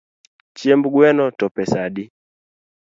Chiemb gwen to pesa adi?